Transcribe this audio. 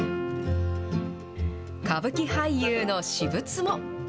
歌舞伎俳優の私物も。